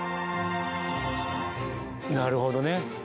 なるほどね。